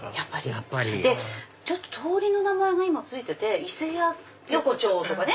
やっぱり通りの名前が今付いてて伊勢屋横丁とかね。